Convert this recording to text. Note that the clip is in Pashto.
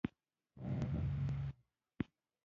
تواب ور مخته شو: